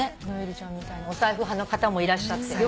ノエルちゃんみたいなお財布派の方もいらっしゃって。